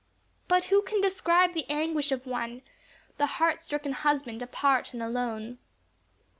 But who can describe the anguish of one, The heart stricken husband apart and alone.